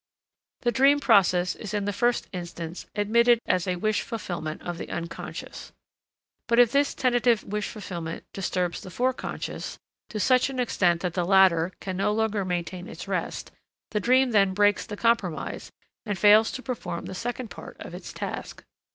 The dream process is in the first instance admitted as a wish fulfillment of the unconscious, but if this tentative wish fulfillment disturbs the foreconscious to such an extent that the latter can no longer maintain its rest, the dream then breaks the compromise and fails to perform the second part of its task.